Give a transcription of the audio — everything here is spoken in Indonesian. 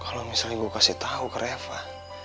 kalo misalnya gua kasih tau ke reva